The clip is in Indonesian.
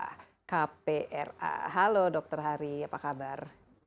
halo dr hari apa kabar